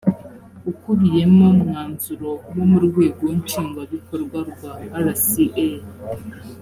ukubiyemo mwanzuro wo mu rwego nshingwabikorwa rwa rca